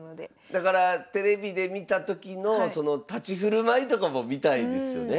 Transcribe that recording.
だからテレビで見たときのその立ち振る舞いとかも見たいですよね。